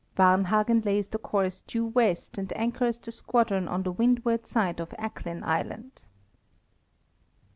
Varnhagen lays the course due west and anchors the squadron on the windward side of Acklin island